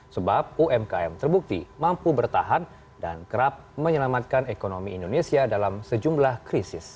sebab umkm terbukti mampu bertahan dan kerap menyelamatkan ekonomi indonesia dalam sejumlah krisis